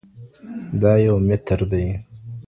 دا يو متر دئ.